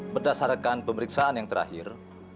berdasarkan pemeriksaan yang terakhir